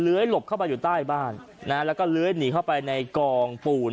หลบเข้าไปอยู่ใต้บ้านนะฮะแล้วก็เลื้อยหนีเข้าไปในกองปูน